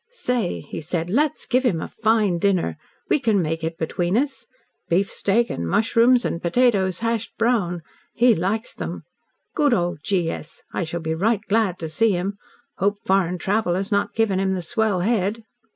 "Say!" he said. "Let's give him a fine dinner. We can make it between us. Beefsteak and mushrooms, and potatoes hashed brown. He likes them. Good old G. S. I shall be right glad to see him. Hope foreign travel has not given him the swell head."